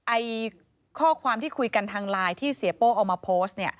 ข้อความที่คุยกันทางไลน์ที่เสียโป้เอามาโพสต์เนี่ย